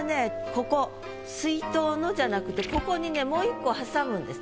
ここ「水筒の」じゃなくてここにねもう一個挟むんです。